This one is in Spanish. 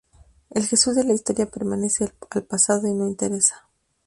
El Jesús de la historia pertenece al pasado y no interesa.